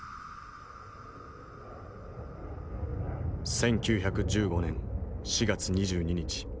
１９１５年４月２２日。